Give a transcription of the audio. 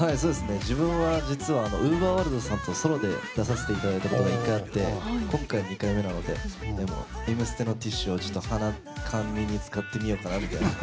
自分は実はＵＶＥＲｗｏｒｌｄさんとソロで出させていただいたことが１回あって今回２回目なので「Ｍステ」のティッシュを鼻かみに使ってみようかなみたいな。